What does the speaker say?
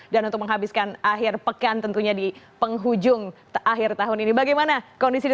dan untuk menghabiskan akhir pekan tentunya di penghujung akhir tahun ini bagaimana kondisi di